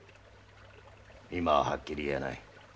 今ははっきり言えない。